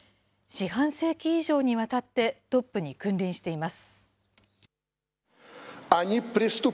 四半世紀以上にわたってトップに君臨しています。